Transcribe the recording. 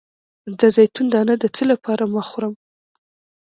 د زیتون دانه د څه لپاره مه خورم؟